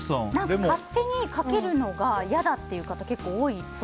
勝手にかけるのが嫌だって方結構多いんです。